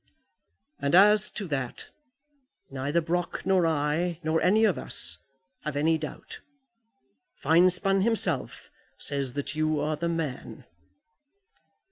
"As to that, neither Brock nor I, nor any of us, have any doubt. Finespun himself says that you are the man."